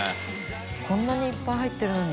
海鵑覆いっぱい入ってるのに。